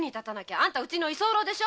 あんたうちの居候でしょ。